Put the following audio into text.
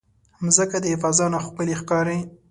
مځکه د فضا نه ښکلی ښکاري.